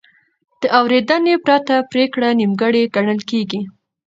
د اورېدنې پرته پرېکړه نیمګړې ګڼل کېږي.